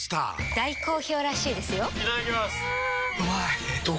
大好評らしいですよんうまい！